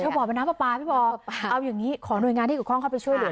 บ่อเป็นน้ำปลาปลาพี่บอกเอาอย่างนี้ขอหน่วยงานที่เกี่ยวข้องเข้าไปช่วยเหลือ